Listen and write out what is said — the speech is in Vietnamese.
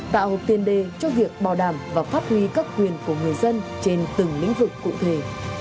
tạo tiền đề cho việc bảo đảm và phát huy các quyền của người dân trên từng lĩnh vực cụ thể